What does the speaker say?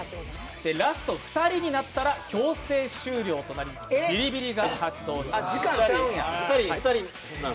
ラスト２人になったら強制終了となりビリビリが発動します。